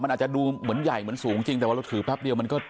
มันอาจจะดูเหมือนใหญ่เหมือนสูงจริงแต่ว่าเราถือแป๊บเดียวมันก็